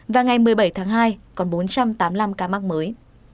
và ngày một mươi bảy tháng hai còn bốn trăm tám mươi năm ca mắc mới